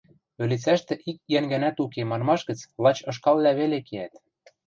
Ӧлицӓштӹ ик йӓнгӓнӓт уке манмаш гӹц лач ышкалвлӓ веле киӓт